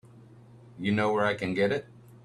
You know where I can get it?